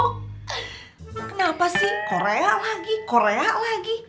kenapa sih korea lagi korea lagi